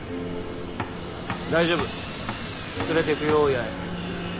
大丈夫連れてくよ八重。